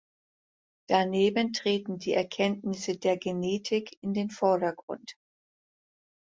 Daneben treten die Erkenntnisse der Genetik in den Vordergrund.